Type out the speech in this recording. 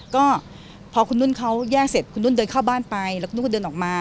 ก็พอคุณนุ่นเขาแย่งเสร็จคุณนุ่นเดินเข้าบ้านไปแล้วคุณนุ่นก็เดินออกมา